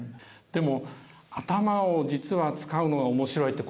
でも「頭を実は使うのが面白い」って